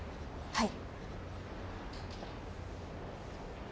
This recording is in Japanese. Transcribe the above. はい。